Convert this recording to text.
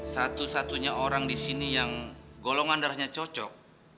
satu satunya orang di sini yang golongan darahnya cocok